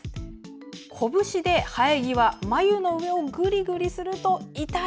こぶしで生え際眉の上をぐりぐりすると痛い！